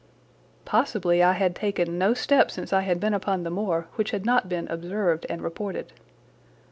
Possibly I had taken no step since I had been upon the moor which had not been observed and reported.